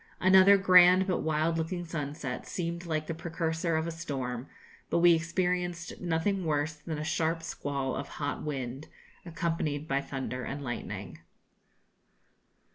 Another grand but wild looking sunset seemed like the precursor of a storm; but we experienced nothing worse than a sharp squall of hot wind, accompanied by thunder and lightning.